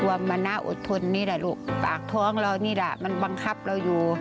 มานะอดทนนี่แหละลูกปากท้องเรานี่แหละมันบังคับเราอยู่